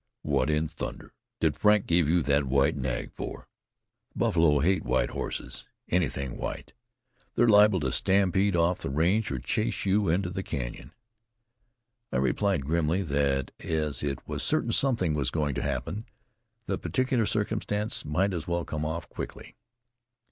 "What in thunder did Frank give you that white nag for? The buffalo hate white horses anything white. They're liable to stampede off the range, or chase you into the canyon." I replied grimly that, as it was certain something was going to happen, the particular circumstance might as well come off quickly.